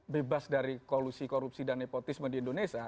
bebas dari kolusi korupsi dan nepotisme di indonesia